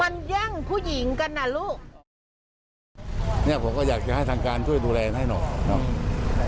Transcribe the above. มันแย่งผู้หญิงกันน่ะลูกเนี้ยผมก็อยากจะให้ทางการช่วยดูแลให้หน่อยเนาะ